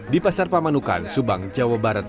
di pasar pamanukan subang jawa barat